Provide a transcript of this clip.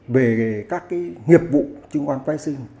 về các nghiệp vụ chứng khoán phái sinh